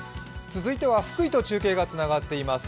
続いては福井と中継がつながっています。